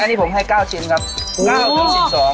อันนี้ผมให้๙ชิ้นครับ๙๑๒บาท